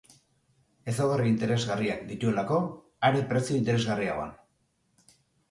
Ezaugarri interesgarriak dituelako, are prezio interesgarriagoan.